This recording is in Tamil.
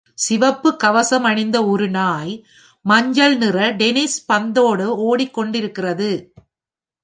சிவப்பு கவசம் அணிந்த ஒரு நாய், மஞ்சள் நிற டென்னிஸ் பந்தோடு ஓடிக் கொண்டிருக்கிறது.